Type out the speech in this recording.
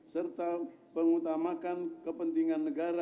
serta mengutamakan kepentingan negara